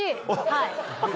はい。